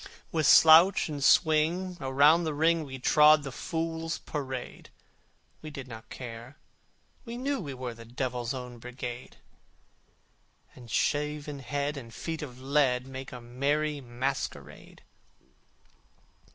With slouch and swing around the ring We trod the Fools' Parade! We did not care: we knew we were The Devils' Own Brigade: And shaven head and feet of lead Make a merry masquerade.